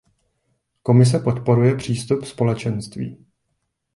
Komise podporuje přístup Společenství.